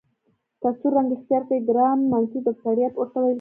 که سور رنګ اختیار کړي ګرام منفي بکټریا ورته ویل کیږي.